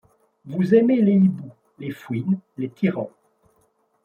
Vous aimez les hiboux, les fouines, les tyrans